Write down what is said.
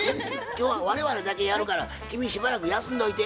今日は我々だけやるから君しばらく休んどいて。